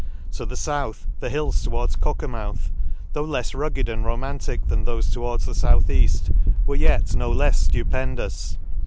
— To the fouth, the hills towards Cockermouth^ though lefs rugged and romantic than thofe towards the fouth eaft, were yet no lefs flupendous.